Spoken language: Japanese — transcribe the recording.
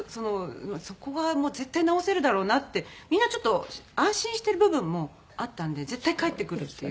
そこは絶対治せるだろうなってみんなちょっと安心してる部分もあったんで絶対帰ってくるっていう。